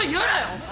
お前。